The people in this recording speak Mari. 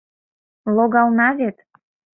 — Логална вет!